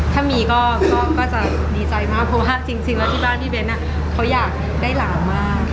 ถ้ามีก็จะดีใจมากเพราะว่าจริงแล้วที่บ้านพี่เบ้นเขาอยากได้หลานมาก